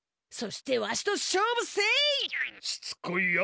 そしてわしと勝負せい！